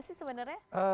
biasa sih sebenarnya